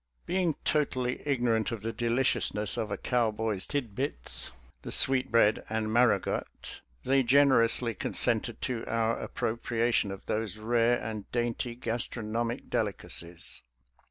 Being totally ignorant of the deliciousness of a cowboy's tidbits, the sweetbread and mar rowgut, they generously consented to our ap propriation of those rare and dainty gastronomic delicacies.